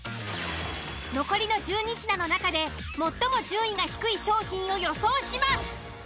残りの１２品の中で最も順位が低い商品を予想します。